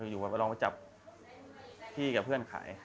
อยู่ก็ลองไปจับพี่กับเพื่อนขาย